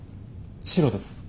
シロです。